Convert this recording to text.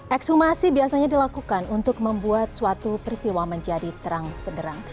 ekshumasi biasanya dilakukan untuk membuat suatu peristiwa menjadi terang penderang